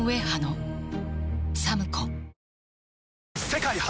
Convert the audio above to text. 世界初！